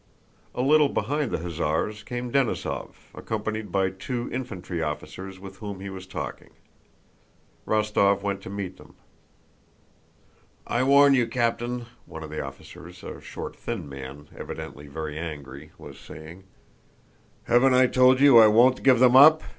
A little behind the hussars came Denísov, accompanied by two infantry officers with whom he was talking. Rostóv went to meet them. "I warn you, Captain," one of the officers, a short thin man, evidently very angry, was saying. "Haven't I told you I won't give them up?"